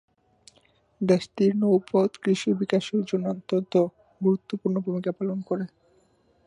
দেশটির নৌপথ কৃষি বিকাশের জন্য অত্যন্ত গুরুত্বপূর্ণ ভূমিকা পালন করে।